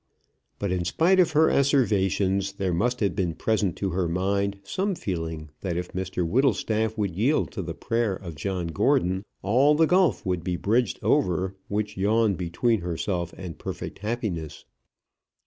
But in spite of her asseverations, there must have been present to her mind some feeling that if Mr Whittlestaff would yield to the prayer of John Gordon, all the gulf would be bridged over which yawned between herself and perfect happiness.